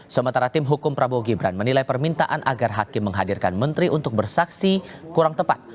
sementara tim hukum prabowo gibran menilai permintaan agar hakim menghadirkan menteri untuk bersaksi kurang tepat